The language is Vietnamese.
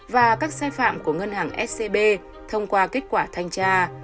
và các sai phạm của ngân hàng scb thông qua kết quả thanh tra